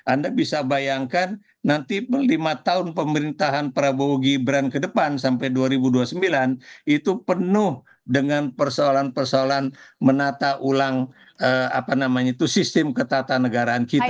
anda bisa bayangkan nanti lima tahun pemerintahan prabowo gibran ke depan sampai dua ribu dua puluh sembilan itu penuh dengan persoalan persoalan menata ulang sistem ketatanegaraan kita